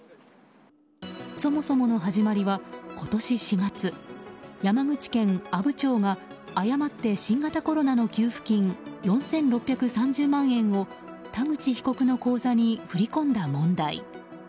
そもそもの始まりは今年４月山口県阿武町が誤って新型コロナの給付金４６３０万円を田口被告の口座に振り込んだ問題。